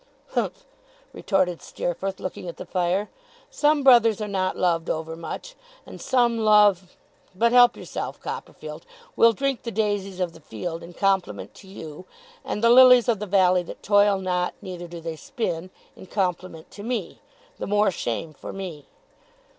'Humph!' retorted Steerforth, looking at the fire. 'Some brothers are not loved over much; and some love but help yourself, Copperfield! We'll drink the daisies of the field, in compliment to you; and the lilies of the valley that toil not, neither do they spin, in compliment to me the more shame for me!